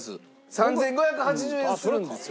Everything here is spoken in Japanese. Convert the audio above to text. ３５８０円するんですよ。